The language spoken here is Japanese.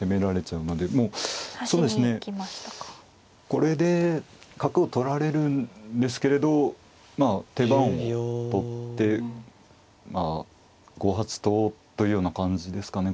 これで角を取られるんですけれどまあ手番を取ってまあ５八とというような感じですかね。